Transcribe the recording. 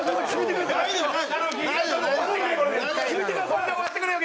これで終わってくれよ。